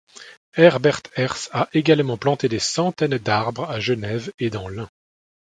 Herbert Herz a également planté des centaines d'arbres à Genève et dans l'Ain.